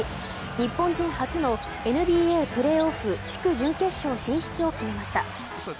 日本人初のＮＢＡプレーオフ地区準決勝進出を決めました。